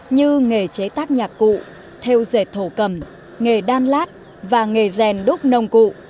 như nghề chế tác nhạc cụ theo dệt thổ cầm nghề đan lát và nghề rèn đúc nông cụ